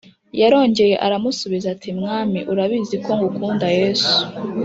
yarongeye aramusubiza ati Mwami urabizi ko ngukunda Yesu